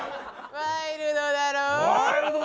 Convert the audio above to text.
ワイルドだろぉ。